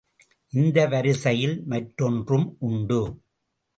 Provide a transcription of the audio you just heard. இந்த வரிசையில் மற்றொன்றும் உண்டு.